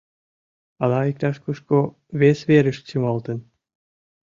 Ала иктаж-кушко вес верыш чымалтын?